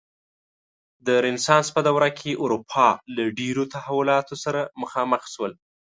د رنسانس په دوره کې اروپا له ډېرو تحولاتو سره مخامخ شول.